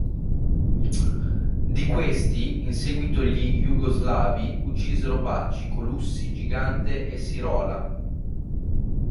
Di questi, in seguito gli jugoslavi uccisero Bacci, Colussi, Gigante e Sirola.